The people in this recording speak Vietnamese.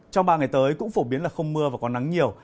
trong ba ngày tới cũng phổ biến là không mưa và có nắng nhiều